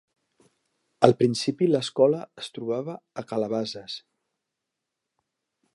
Al principi l'escola es trobava a Calabasas.